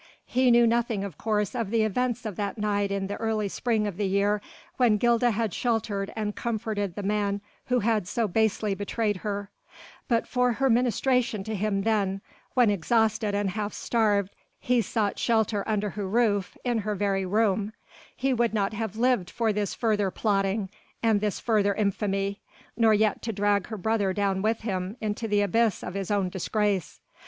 He knew nothing of course of the events of that night in the early spring of the year when Gilda had sheltered and comforted the man who had so basely betrayed her; but for her ministration to him then, when exhausted and half starved he sought shelter under her roof, in her very room he would not have lived for this further plotting and this further infamy, nor yet to drag her brother down with him into the abyss of his own disgrace.